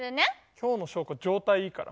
今日の祥子状態いいから。